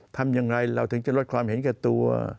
ทำอย่างไรเราถึงจะลดความเห็นแก่ตัว